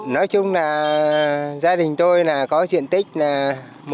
nói chung là gia đình tôi có diện tích một tám m hai